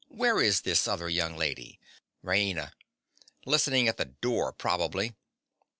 Where is this other young lady? RAINA. Listening at the door, probably.